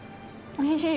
おいしい？